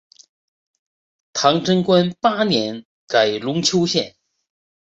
唐贞观八年改龙丘县。